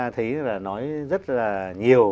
thấy là nói rất là nhiều